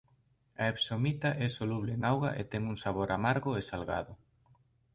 A epsomita é soluble en auga e ten un sabor amargo e salgado.